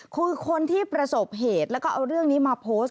คือคนที่ประสบเหตุแล้วก็เอาเรื่องนี้มาโพสต์